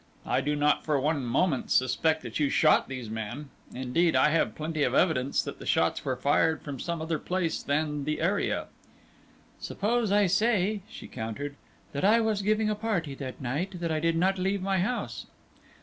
I do not for one moment suspect that you shot these men; indeed, I have plenty of evidence that the shots were fired from some other place than the area." "Suppose I say," she countered, "that I was giving a party that night, that I did not leave my house."